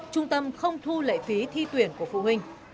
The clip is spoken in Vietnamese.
trung tâm không thu lệ phí thi tuyển của phụ huynh